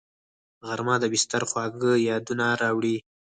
غرمه د بستر خواږه یادونه راوړي